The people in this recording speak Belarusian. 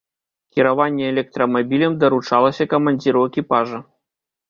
Кіраванне электрамабілем даручалася камандзіру экіпажа.